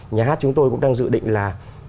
nhà hát chúng tôi cũng đang dự định là